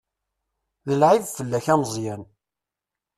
D lεib fell-ak a Meẓyan.